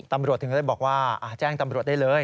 ตำรวจถึงเลยบอกว่าแจ้งตำรวจได้เลย